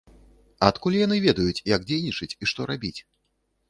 Адкуль яны ведаюць як дзейнічаць і што рабіць?